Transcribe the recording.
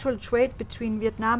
giữa khu vực việt nam